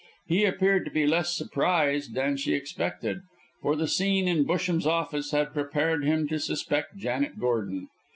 He appeared to be less surprised than she expected, for the scene in Busham's office had prepared him to suspect Janet Gordon.